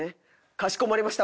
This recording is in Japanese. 「かしこまりました。